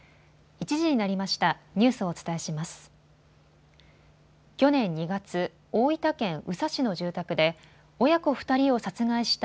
１時になりました。